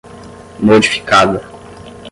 modificada